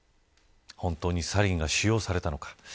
本当にサリンが使用されたのか。